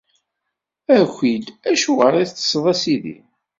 Aki-d! Acuɣer i teṭṭṣeḍ, a Sidi?